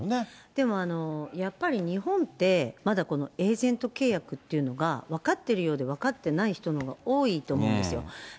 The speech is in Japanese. でもやっぱり、日本って、まだエージェント契約っていうのが、分かってるようで分かってない人のほうが多いと思うんですよ。